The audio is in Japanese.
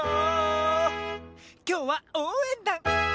きょうはおうえんだん！